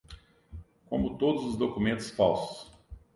como todos os documentos falsos